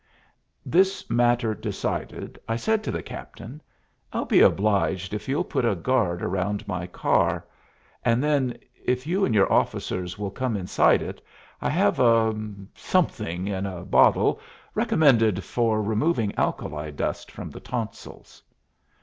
This matter decided, I said to the captain, "I'll be obliged if you'll put a guard round my car. And then, if you and your officers will come inside it, I have a something in a bottle, recommended for removing alkali dust from the tonsils."